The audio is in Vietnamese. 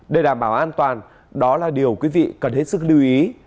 để đảm bảo an toàn đó là điều quý vị cần hết sức lưu ý